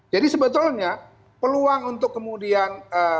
jadi sebetulnya peluang untuk kemudian